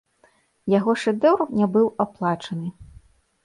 Яго шэдэўр не быў аплачаны.